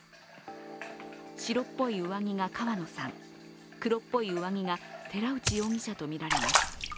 白っぽい上着が川野さん、黒っぽい上着が寺内容疑者とみられます。